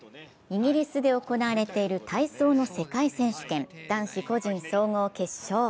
イギリスで行われている体操の世界選手権男子個人総合決勝。